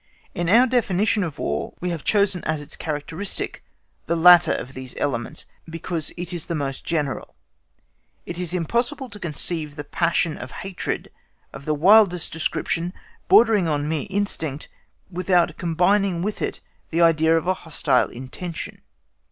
In our definition of War, we have chosen as its characteristic the latter of these elements, because it is the most general. It is impossible to conceive the passion of hatred of the wildest description, bordering on mere instinct, without combining with it the idea of a hostile intention.